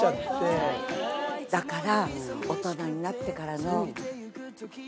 だから。